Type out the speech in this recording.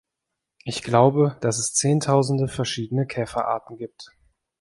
Ich glaube, dass es Zehntausende verschiedene Käferarten gibt